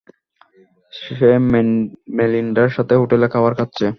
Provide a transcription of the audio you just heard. সে মেলিন্ডার সাথে হোটেলে খাবার খাচ্ছে।